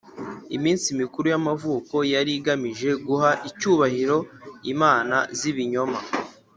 Iminsi mikuru y amavuko yari igamije guha icyubahiro imana z ibinyoma